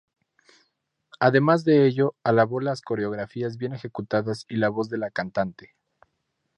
Además de ello, alabó las coreografías bien ejecutadas y la voz de la cantante.